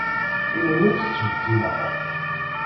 Yiwen ur t-ttbeddileɣ.